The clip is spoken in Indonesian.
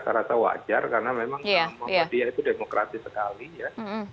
saya rasa wajar karena memang muhammadiyah itu demokratis sekali ya